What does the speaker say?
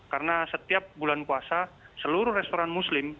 karena setiap bulan puasa seluruh restoran muslim